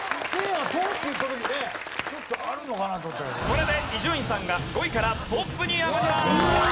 これで伊集院さんが５位からトップに上がります。